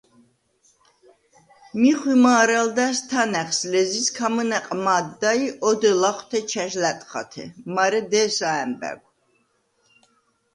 მი ხვიმა̄რა̄ლდა̈ს თანა̈ღს, ლეზიზ ქამჷნა̈ყ მა̄დდა ი ოდე ლახვთე ჩა̈ჟ ლა̈ტხათე, მარე დე̄სა ა̈მბა̈გვ.